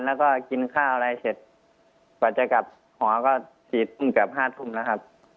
แล้วก็กินข้าวอะไรเสร็จกว่าจะกลับหอก็ฉีดเกือบ๕ทุ่มแล้วครับ